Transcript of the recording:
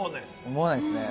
思わないですね。